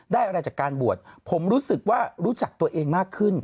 อะไรจากการบวชผมรู้สึกว่ารู้จักตัวเองมากขึ้น